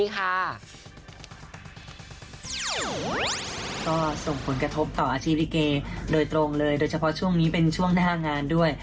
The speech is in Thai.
ก็ส่งผลกระทบต่ออาชีพลิเกโดยตรงเลยโดยเฉพาะช่วงนี้เป็นช่วงหน้างานด้วย